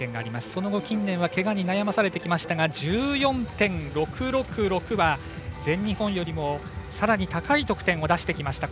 その後、近年はけがに悩まされましたが１４．６６６は全日本よりもさらに高い得点を出してきました。